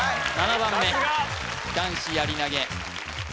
７番目男子やり投